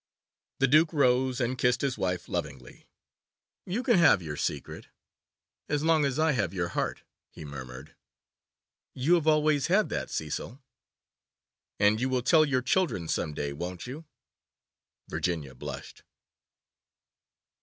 The Duke rose and kissed his wife lovingly. 'You can have your secret as long as I have your heart,' he murmured. 'You have always had that, Cecil.' 'And you will tell our children some day, won't you?' Virginia blushed.